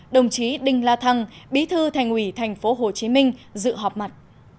đồng chí đinh la thăng bí thư thành ủy tp hcm dự họp mặt